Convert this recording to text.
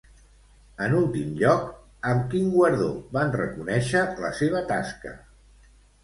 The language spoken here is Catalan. En últim lloc, amb quin guardó van reconèixer la seva tasca?